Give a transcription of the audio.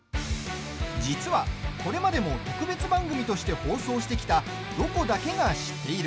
実は、これまでも特別番組として放送してきた「ロコだけが知っている」。